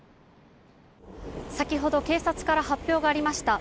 先ほど警察から発表がありました。